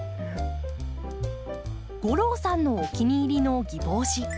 吾郎さんのお気に入りのギボウシ。